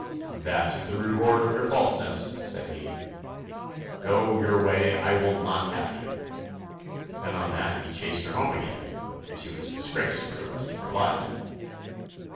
"That is the reward of your falseness," said he, "go your way, I will not have you!" and on that he chased her home again, and she was disgraced for the rest of her life.